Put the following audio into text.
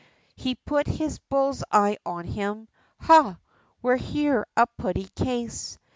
He put his bull's eye on him "Ha! well here's a putty case!